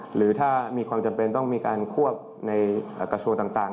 หรือถ้ามีความจำเป็นต้องมีการควบในกระทรวงต่าง